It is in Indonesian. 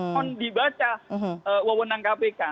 mohon dibaca wewenang kpk